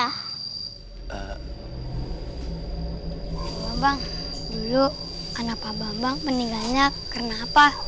abang dulu anak pak bambang meninggalnya karena apa